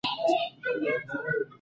موږ ډېر کم متوجه کېږو، چې دلته سپوږمۍ